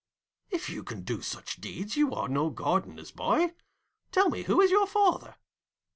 'If you can do such deeds you are no Gardener's boy. Tell me who is your father?'